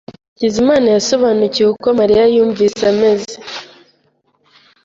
Hakizimana yasobanukiwe uko Mariya yumvise ameze.